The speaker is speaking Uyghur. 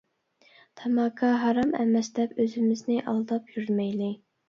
تاماكا ھارام ئەمەس دەپ ئۆزىمىزنى ئالداپ يۈرمەيلى.